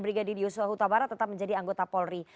brigadir yusuf hutabara tetap menjadi anggota polri